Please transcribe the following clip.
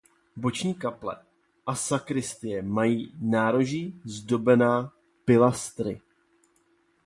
Boční kaple a sakristie mají nároží zdobená pilastry.